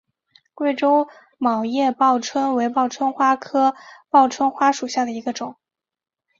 贵州卵叶报春为报春花科报春花属下的一个种。